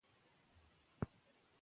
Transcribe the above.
هغه وویل چې کار اسانه و.